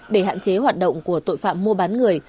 để hạn chế hoạt động của tội phạm mua bán người